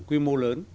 quy mô lớn